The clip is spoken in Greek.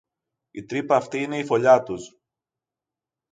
Η τρύπα αυτή είναι η φωλιά τους